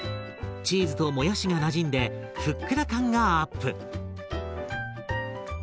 チーズともやしがなじんでふっくら感がアップ！